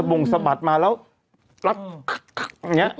สะบุงสะบัดมาแล้วปลั๊บคักอย่างนี้